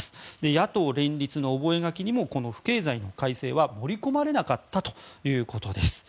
野党連立の覚書にも不敬罪の改正は盛り込まれなかったということです。